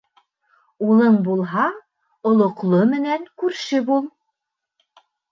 Улың булһа, олоҡло менән күрше бул